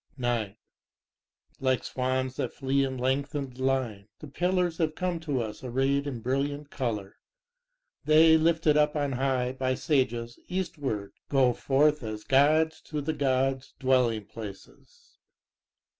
9 Like swan's that flee in lengthened line, the Pillars have come to us arrayed in brilliant coIour. They, lifted up on high, by sages, eastward, go forth as Gods to the God's dwelling places.